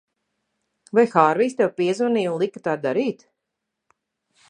Vai Hārvijs tev piezvanīja un lika tā darīt?